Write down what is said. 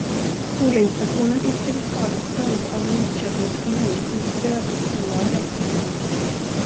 Skolinspektionen yrkade skadestånd av Lidköpings kommun med stöd i skollagen.